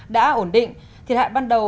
đã ổn định